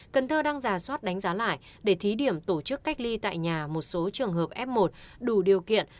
cần thơ đang giả soát đánh giá lại để thí điểm tổ chức cách ly tại nhà một số trường hợp f một đủ điều kiện